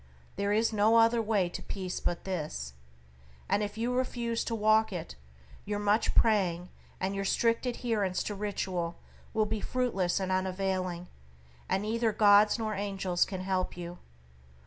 There is no other way to peace but this, and if you refuse to walk it, your much praying and your strict adherence to ritual will be fruitless and unavailing, and neither gods nor angels can help you.